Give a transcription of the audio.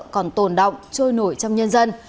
còn tồn động trôi nổi trong nhân dân